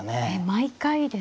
毎回ですか。